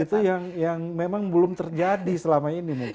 itu yang memang belum terjadi selama ini mungkin